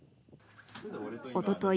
おととい